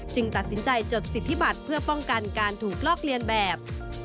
ตัดสินใจจดสิทธิบัตรเพื่อป้องกันการถูกลอกเลียนแบบ